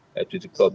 ya bentuk solidaritas